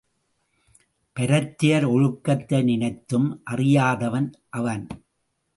பரத்தையர் ஒழுக்கத்தை நினைத்தும் அறியாதவன் அவன்.